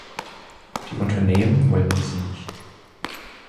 Die Unternehmen wollen sie nicht.